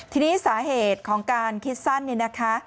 ทีนี้สาเหตุของการคิดสั้นเนี่ยนะคะ